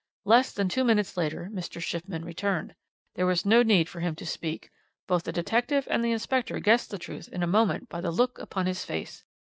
"Less than two minutes later Mr. Shipman returned. There was no need for him to speak; both the detective and the inspector guessed the truth in a moment by the look upon his face.